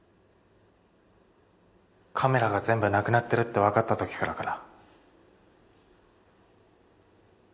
カメラが全部なくなってるって分かったときからかな。